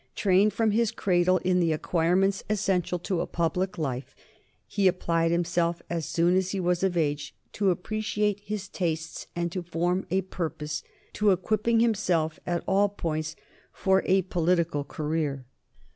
Trained from his cradle in the acquirements essential to a public life, he applied himself, as soon as he was of an age to appreciate his tastes and to form a purpose, to equipping himself at all points for a political career.